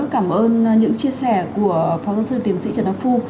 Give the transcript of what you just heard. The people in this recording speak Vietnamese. cảm ơn những chia sẻ của phó giáo sư tiềm sĩ trần áp phu